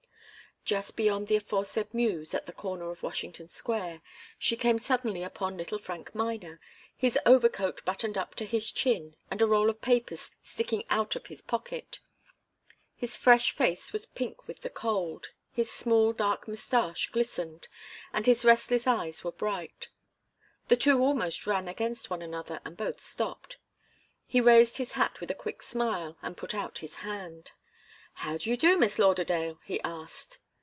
Just beyond the aforesaid Mews, at the corner of Washington Square, she came suddenly upon little Frank Miner, his overcoat buttoned up to his chin and a roll of papers sticking out of his pocket. His fresh face was pink with the cold, his small dark mustache glistened, and his restless eyes were bright. The two almost ran against one another and both stopped. He raised his hat with a quick smile and put out his hand. "How d'ye do, Miss Lauderdale?" he asked.